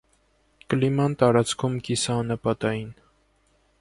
Կլիման տարածքում կիսաանապատային։